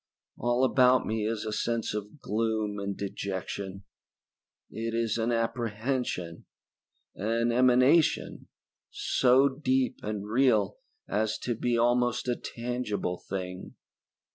All about me is a sense of gloom and dejection. It is an apprehension an emanation so deep and real as to be almost a tangible thing.